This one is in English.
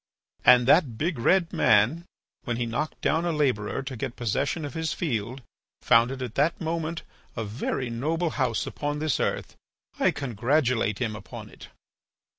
And that big red man, when he knocked down a labourer to get possession of his field, founded at that moment a very noble house upon this earth. I congratulate him upon it."